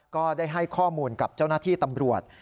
ก็ได้ให้ข้อมูลกับเจ้าหน้าที่ตำรวจ